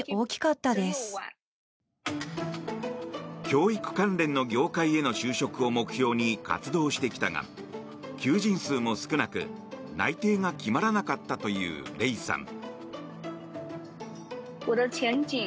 教育関連の業界への就職を目標に活動してきたが、求人数も少なく内定が決まらなかったというレイさん。